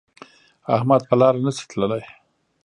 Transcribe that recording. احمد په لاره نشي تللی.